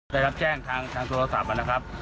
ได้รับแจ้งทางโทรศัพท์นะครับ